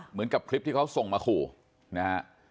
เหมือนกับคลิปที่เขาส่งมาขู่นะฮะ